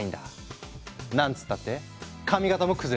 なんつったって髪形も崩れない。